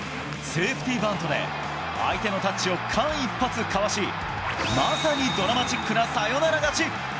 セーフティーバントで、相手のタッチを間一髪かわし、まさにドラマチックなサヨナラ勝ち。